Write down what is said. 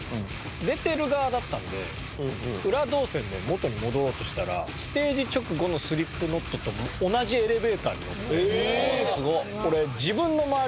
出てる側だったんで裏動線で元に戻ろうとしたらステージ直後のスリップノットと同じエレベーターに乗って俺。